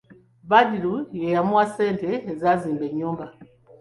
Badru ye yamuwa ssente ezazimba ennyumba.